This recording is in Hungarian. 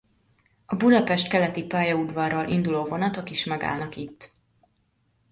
A Budapest-Keleti pályaudvarról induló vonatok is megállnak itt.